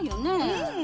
うん。